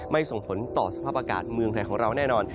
ส่งผลต่อสภาพอากาศเมืองไทยของเราแน่นอน